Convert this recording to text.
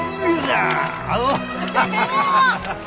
アハハハ！